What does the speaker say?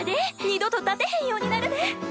二度と立てへんようになるで！